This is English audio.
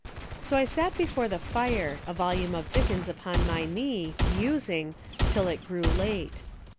So I sat before the fire, a volume of Dickens upon my knee, musing, till it grew late.